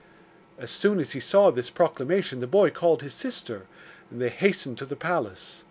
As soon as he saw this proclamation the boy called his sister, and they hastened to the palace.